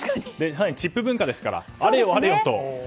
更にチップ文化ですからあれよあれよと。